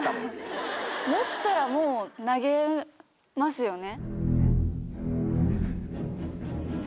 持ったらもう投げますよね。